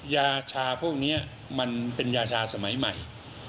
ยาชาพวกนี้มันเป็นยาชาสมัยใหม่